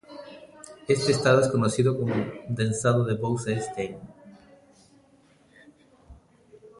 Este estado es conocido como condensado de Bose-Einstein.